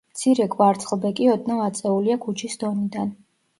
მცირე კვარცხლბეკი ოდნავ აწეულია ქუჩის დონიდან.